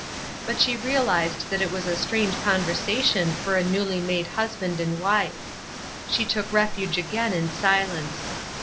But she realized that it was a strange conversation for a newly made husband and wife. She took refuge again in silence.